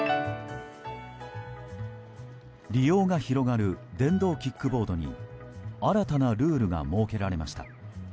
利用が広がる電動キックボードに新たなルールが設けられました。